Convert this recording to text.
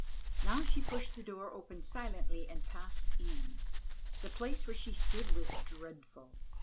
Now she pushed the door open silently and passed in. The place where she stood was dreadful.